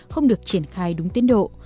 không được triển khai đúng tiến độ